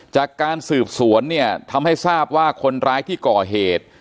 จากการสืบสวนเนี่ยทำให้ทราบว่าคนร้ายที่ก่อเหตุ